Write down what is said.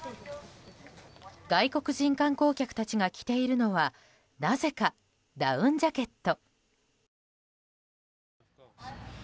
外国人観光客たちが着ているのはなぜか、ダウンジャケット。